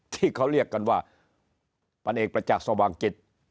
ที่เขาเรียกกันว่าพันเอกประจักษ์สว่างกิจ